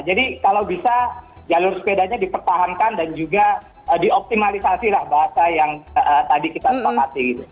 jadi kalau bisa jalur sepedanya dipertahankan dan juga dioptimalisasi lah bahasa yang tadi kita impossible